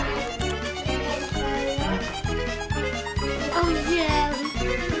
おいしい！